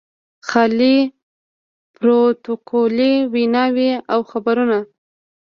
خالي پروتوکولي ویناوې او خبرونه.